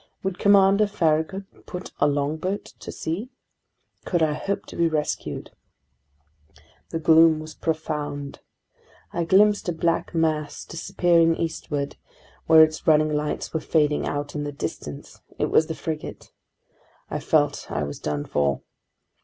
Would Commander Farragut put a longboat to sea? Could I hope to be rescued? The gloom was profound. I glimpsed a black mass disappearing eastward, where its running lights were fading out in the distance. It was the frigate. I felt I was done for.